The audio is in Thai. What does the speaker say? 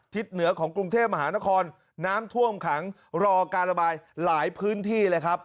เหนือของกรุงเทพมหานครน้ำท่วมขังรอการระบายหลายพื้นที่เลยครับ